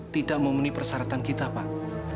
tidak memenuhi persyaratan kita pak